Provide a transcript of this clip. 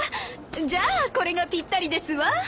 じゃあこれがぴったりですわ。